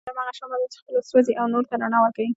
معلم هغه شمعه چي خپله سوزي او نورو ته رڼا ورکوي